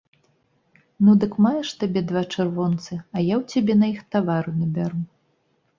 Ну, дык маеш табе два чырвонцы, а я ў цябе на іх тавару набяру.